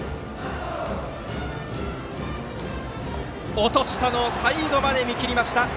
落としたのを最後まで見切りました。